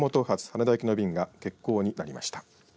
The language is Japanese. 羽田行きの便が欠航になりました。